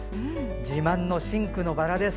自慢の深紅のばらです。